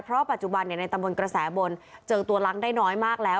เพราะปัจจุบันในตำบลกระแสบนเจอตัวล้างได้น้อยมากแล้ว